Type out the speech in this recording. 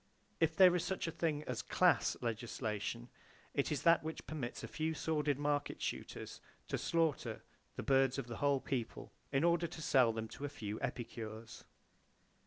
If there is such a thing as "class" legislation, it is that which permits a few sordid market shooters to slaughter the birds of the whole people in order to sell them to a few epicures.